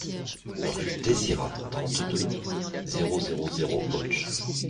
Rue Désirat, trente-deux, zéro zéro zéro Auch